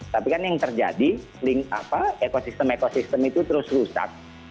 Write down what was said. tapi kan yang terjadi ekosistem ekosistem itu terus rusak